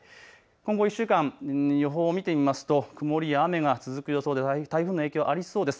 今後１週間の予報を見てみますと曇りや雨が続く予想で台風の影響、ありそうです。